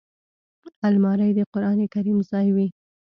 الماري د قران کریم ځای وي